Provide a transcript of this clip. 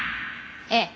ええ。